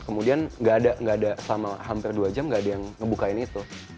kemudian nggak ada selama hampir dua jam gak ada yang ngebukain itu